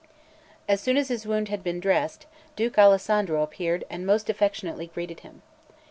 As soon as his wound had been dressed, Duke Alessandro appeared and most affectionately greeted him.